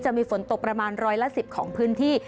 จะมีฝนตกประมาณร้อยละ๑๐ของพื้นที่